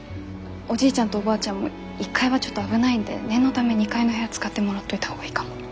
おじいちゃんとおばあちゃんも１階はちょっと危ないんで念のため２階の部屋使ってもらっといた方がいいかも。